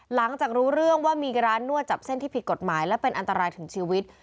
หลังจากรู้เรื่องว่ามีร้านนวดจับเส้นที่ผิดกฎหมายและเป็นอันตรายถึงชีวิต